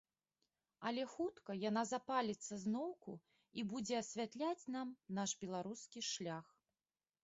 Але хутка яна запаліцца зноўку і будзе асвятляць нам наш беларускі шлях.